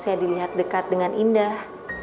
saya dilihat dekat dengan indah